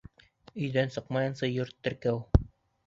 Өйҙән сыҡмайынса йорт теркәү